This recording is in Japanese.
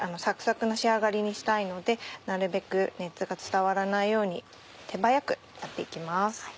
サクサクの仕上がりにしたいのでなるべく熱が伝わらないように手早くやって行きます。